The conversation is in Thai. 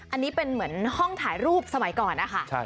อันนี้เป็นเหมือนห้องถ่ายรูปสมัยก่อนนะคะ